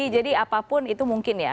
jadi apapun itu mungkin ya